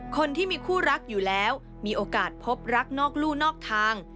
คนที่มีคู่รักอยู่แล้วมีโอกาสพบรักนอกลู่นอกทาง